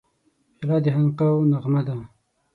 پیاله د خانقاهو نغمه ده.